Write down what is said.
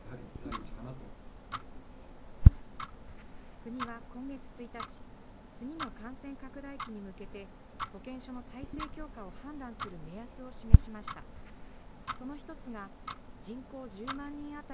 国は今月１日、次の感染拡大期に向けて、保健所の体制強化を判断する目安を示しました。